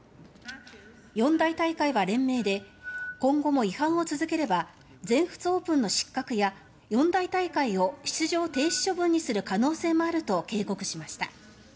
四大大会は連名で今後も違反を続ければ全仏オープンの失格や四大大会を出場停止処分にする可能性もあると警告しました。